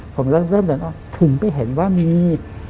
ผมเริ่มเดินออกถึงไปเห็นว่ามี